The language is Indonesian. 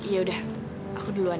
yaudah aku duluan ya